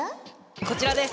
こちらです。